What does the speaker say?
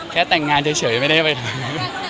แค่แต่งงานเฉยไม่ได้ไปทำ